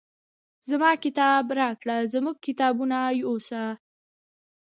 زما کتاب راکړه زموږ کتابونه یوسه.